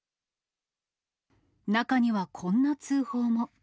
中にはこんな通報も。